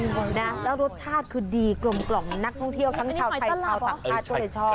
นะแล้วรสชาติคือดีกลมนักท่องเที่ยวทั้งชาวไทยชาวต่างชาติก็เลยชอบ